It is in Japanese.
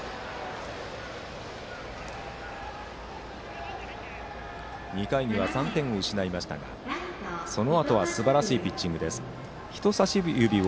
水野、２回には３点を失いましたがそのあとはすばらしいピッチングです。